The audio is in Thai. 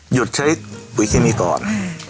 หยุดใช้ปุ๋ยเคมีก่อน